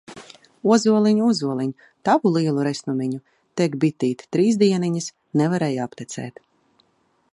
Ozoliņ, ozoliņ, Tavu lielu resnumiņu! Tek bitīte trīs dieniņas, Nevarēja aptecēt!